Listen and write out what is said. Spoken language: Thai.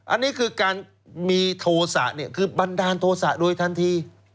อันนี้คือการมีโทษะเนี่ยคือบันดาลโทษะโดยทันที